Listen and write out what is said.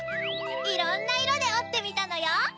いろんないろでおってみたのよ。